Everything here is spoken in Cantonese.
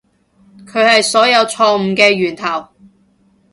佢係所有錯誤嘅源頭